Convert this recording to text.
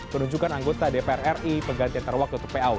penunjukkan anggota dpr ri penggantian terwaktu atau paw